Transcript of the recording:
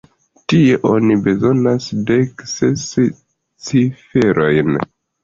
Tie, oni bezonas dek ses ciferojn.